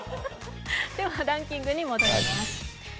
ランキングに戻ります。